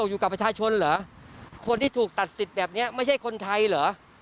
อยู่กับประชาชนเหรอคนที่ถูกตัดสิทธิ์แบบนี้ไม่ใช่คนไทยเหรอ